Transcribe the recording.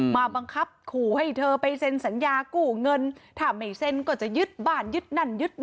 มาบังคับขู่ให้เธอไปเซ็นสัญญากู้เงินถ้าไม่เซ็นก็จะยึดบ้านยึดนั่นยึด